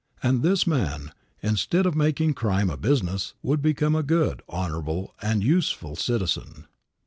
And this man, instead of making crime a business, would become a good, honorable and useful citizen.